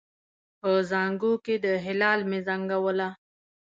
په زانګو کې د هلال مې زنګوله